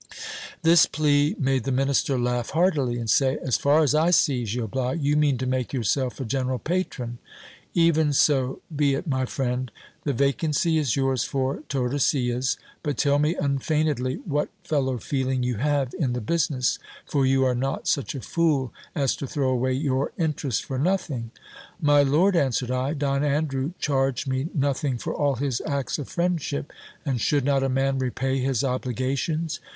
This plea made the minister laugh heartily, and say : As far as I see, Gil Bias, you mean to make yourself a general patron. Even so be it, my friend ; the vacancy is yours for Tordesillas ; but tell me unfeignedly what fellow feeling you have in the business, for you are not such a fool as to throw away your in terest for nothing. My lord, answered I, Don Andrew charged me nothing for all his acts of friendship, and should not a man repay his obligations